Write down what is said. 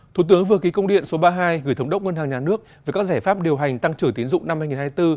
thủ tướng vừa ký công điện số ba mươi hai gửi thống đốc ngân hàng nhà nước về các giải pháp điều hành tăng trưởng tiến dụng năm hai nghìn hai mươi bốn